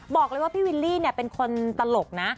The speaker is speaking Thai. บอกเลยว่าพี่วิลลี่เป็นคนตลกนะ